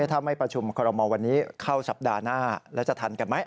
ถ้าไม่ประชุมคอรมอลวันนี้เข้าสัปดาห์หน้าแล้วจะทันกันไหม